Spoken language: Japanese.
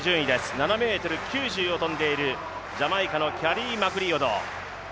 ７ｍ９０を跳んでいるジャマイカのキャリー・マクリオド。